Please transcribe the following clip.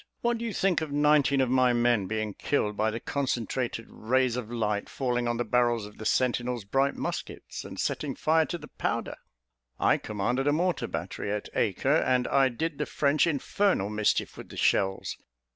What do you think of nineteen of my men being killed by the concentrated rays of light falling on the barrels of the sentinels' bright muskets, and setting fire to the powder? I commanded a mortar battery at Acre, and I did the French infernal mischief with the shells.